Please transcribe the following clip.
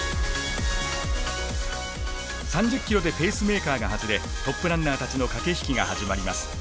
３０ｋｍでペースメーカーが外れトップランナーたちの駆け引きが始まります。